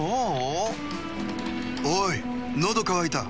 おいのどかわいた。